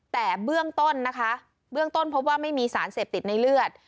แต่เบื้องต้นนะคะเบื้องต้นพบว่าไม่มีสารเสพติดในเลือด